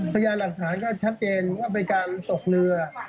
พยายามหลักฐานก็ชัดเจนว่าเป็นการตกเรือ